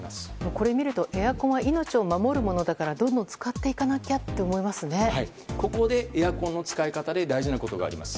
これを見るとエアコンは命を守るものだからどんどん使っていかなきゃとここでエアコンの使い方で大事なことがあります。